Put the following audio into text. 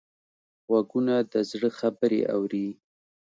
غوږونه د زړه خبرې اوري